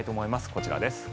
こちらです。